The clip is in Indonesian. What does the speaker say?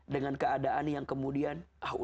dengan keadaan yang kemudian